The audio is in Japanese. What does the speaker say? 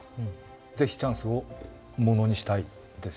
是非チャンスをものにしたいですよね。